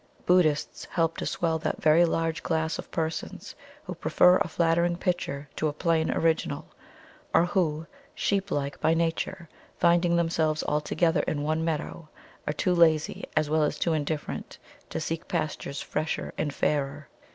Buddhists help to swell that very large class of persons who prefer a flattering picture to a plain original; or who, sheep like by nature, finding themselves all together in one meadow, are too lazy, as well as too indifferent, to seek pastures fresher and fairer.